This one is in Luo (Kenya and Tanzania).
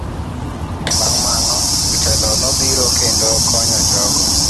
Bang' mano, jotelo nobiro kendo konyo jogo.